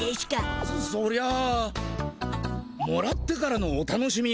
そりゃもらってからのお楽しみよ。